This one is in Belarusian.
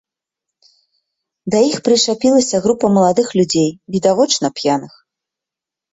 Да іх прычапілася група маладых людзей, відавочна, п'яных.